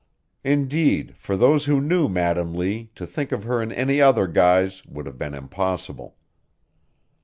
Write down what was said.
Indeed for those who knew Madam Lee to think of her in any other guise would have been impossible.